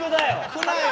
来なよ